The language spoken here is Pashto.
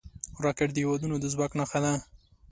راکټ د هیوادونو د ځواک نښه ده